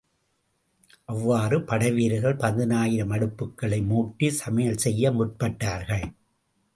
அவ்வாறே படைவீரர்கள் பதினாயிரம் அடுப்புகளை மூட்டி, சமையல் செய்ய முற்பட்டார்கள்.